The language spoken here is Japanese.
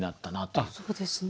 そうですね